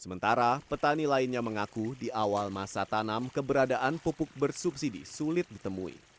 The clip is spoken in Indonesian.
sementara petani lainnya mengaku di awal masa tanam keberadaan pupuk bersubsidi sulit ditemui